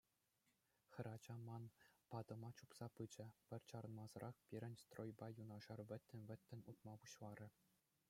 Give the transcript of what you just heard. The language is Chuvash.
Хӗрача ман патӑма чупса пычӗ, пӗр чарӑнмасӑрах пирӗн стройпа юнашар вӗттен-вӗттӗн утма пуҫларӗ.